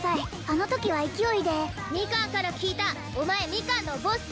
あのときは勢いでミカンから聞いたお前ミカンのボス！